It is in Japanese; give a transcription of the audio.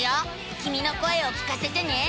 きみの声を聞かせてね。